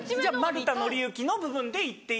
丸田典幸の部分でいっていい？